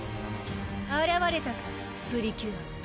あらわれたかプリキュア！